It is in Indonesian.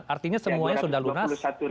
artinya semuanya sudah lunas